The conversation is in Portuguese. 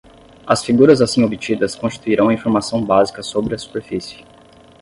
As figuras assim obtidas constituirão a informação básica sobre a superfície.